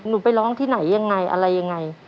ไปร้องที่ไหนยังไงอะไรยังไง